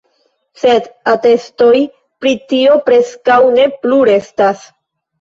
Sed atestoj pri tio preskaŭ ne plu restas.